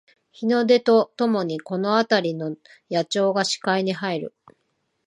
日の出とともにこのあたりの野鳥が視界に入る